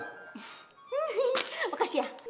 hehehe makasih ya